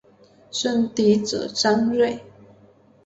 生嫡子张锐。